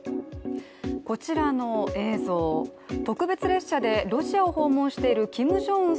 こちらの映像、特別列車でロシアを訪問しているキム・ジョンウン